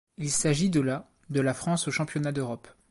Il s'agit de la de la France aux Championnats d'Europe.